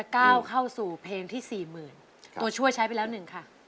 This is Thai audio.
ก้าวเข้าสู่เพลงที่สี่หมื่นตัวช่วยใช้ไปแล้วหนึ่งค่ะ